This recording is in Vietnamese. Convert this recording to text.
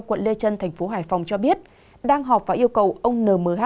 quận lê trân thành phố hải phòng cho biết đang họp và yêu cầu ông nh